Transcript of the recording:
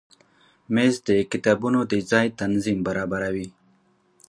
مېز د کتابونو د ځای تنظیم برابروي.